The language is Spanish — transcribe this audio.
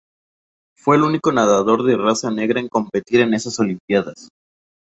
Fue el único nadador de raza negra en competir en esas Olimpiadas.